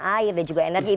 air dan juga energi